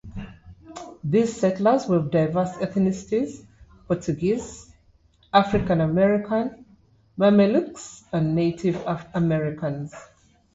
These settlers were of diverse ethnicities: Portuguese, African-American, Mamelukes, and Native Americans.